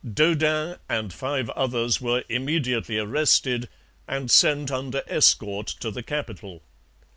Daudin and five others were immediately arrested and sent under escort to the capital.